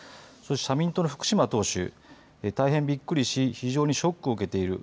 社民党の福島党首、大変びっくりし非常にショックを受けている。